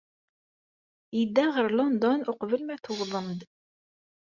Yedda ɣer London uqbel ma tuwḍem-d.